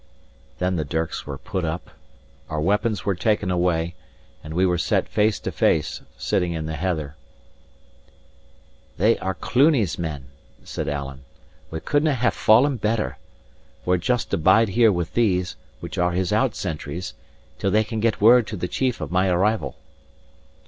Then the dirks were put up, our weapons were taken away, and we were set face to face, sitting in the heather. "They are Cluny's men," said Alan. "We couldnae have fallen better. We're just to bide here with these, which are his out sentries, till they can get word to the chief of my arrival."